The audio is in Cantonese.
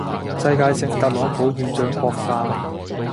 世界性特朗普現象擴散